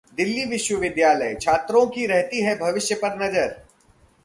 दिल्ली विश्वविद्यालय: छात्रों की रहती है भविष्य पर नजर